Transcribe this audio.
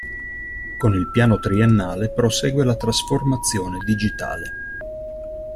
Con il Piano Triennale prosegue la trasformazione digitale.